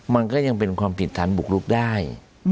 มันก็ยังเป็นความผิดฐานบุกรุกได้